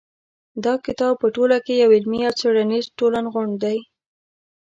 دا کتاب په ټوله کې یو علمي او څېړنیز ټولغونډ دی.